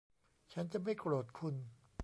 ฉันจะไม่โกรธคุณ